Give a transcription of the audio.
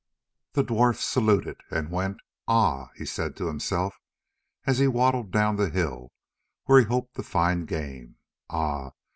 The dwarf saluted and went. "Ah!" he said to himself as he waddled down the hill where he hoped to find game, "ah!